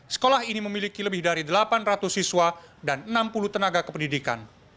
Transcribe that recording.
sekolah ini memiliki lebih dari delapan ratus siswa dan enam puluh tenaga kependidikan